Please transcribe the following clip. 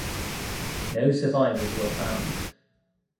No survivors were found.